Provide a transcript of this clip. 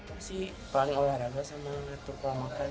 apa sih paling olahraga sama turkola makan